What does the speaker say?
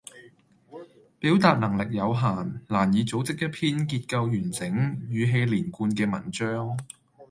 表達能力有限，難以組織一篇結構完整語氣連貫嘅文章